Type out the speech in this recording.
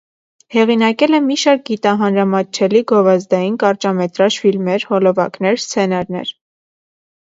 Հեղինակել է մի շարք գիտահանրամատչելի, գովազդային, կարճամետրաժ ֆիլմեր, հոլովակներ, սցենարներ։